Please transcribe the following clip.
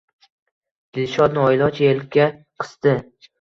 Dilshod noiloj elka qisdi